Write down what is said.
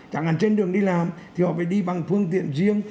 chẳng hạn trên đường đi làm thì họ phải đi bằng phương tiện riêng